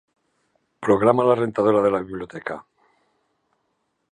Programa la rentadora de la biblioteca.